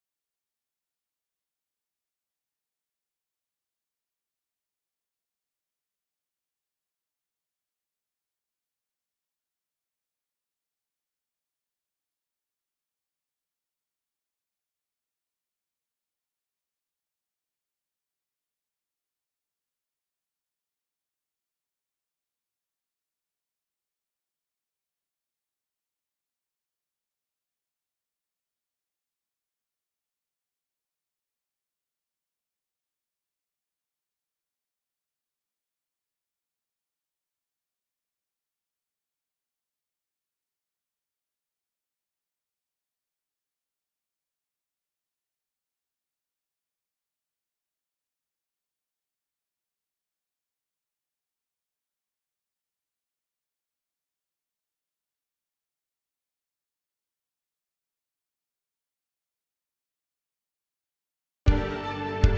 aku mau ke tempat yang lebih baik